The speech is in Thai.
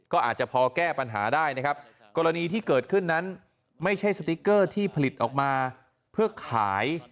ก็อาจจะพอแก้ปัญหาได้นะครับกรณีที่เกิดขึ้นนั้นไม่ใช่สติ๊กเกอร์ที่ผลิตออกมาเพื่อขาย